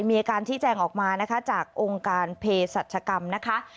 มีการชี้แจงออกมานะคะจากองค์การเพศรัชกรรมนะคะ